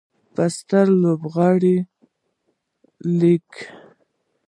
په سترو لوبغالو ولیکه